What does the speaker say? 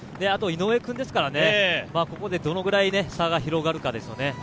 あとは井上君ですから、ここでどのぐらい差が広がるかですよね。